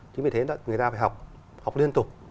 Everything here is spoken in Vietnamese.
chính vì thế là người ta phải học học liên tục